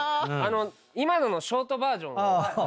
今ののショートバージョンを。